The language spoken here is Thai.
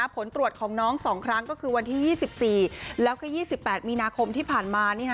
ผลตรวจของน้อง๒ครั้งก็คือวันที่๒๔แล้วก็๒๘มีนาคมที่ผ่านมา